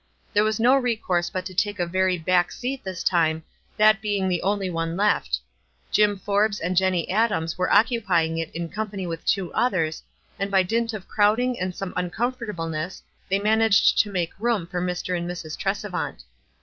There was no recourse but to take a very back seat this time, that being the only one left. Jim Forbes and Jenny Adams were occu pying it in company with two others, and by dint WISE AND OTHERWISE. 339 of crowding and some uncomfortable ness, they managed to make room for Mr. and Mrs. Tres evant.